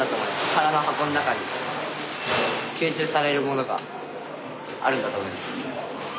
空の箱の中に吸収されるものがあるんだと思うんですけど。